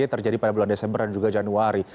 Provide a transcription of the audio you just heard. terjadi pada bulan desember dan juga januari